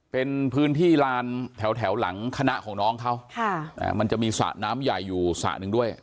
เป็นพื้นที่ลานแถวหลังคณะของน้องเขามันจะมีสระน้ำใหญ่อยู่สระหนึ่งด้วย